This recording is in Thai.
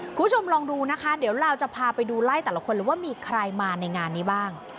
คุณผู้ชมลองดูนะคะเดี๋ยวเราจะพาไปดูไล่แต่ละคนเลยว่ามีใครมาในงานนี้บ้าง